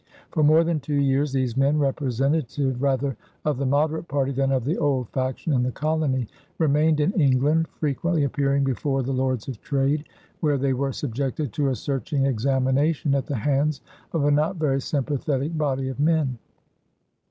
For more than two years these men, representative rather of the moderate party than of the "old faction" in the colony, remained in England, frequently appearing before the Lords of Trade, where they were subjected to a searching examination at the hands of a not very sympathetic body of men.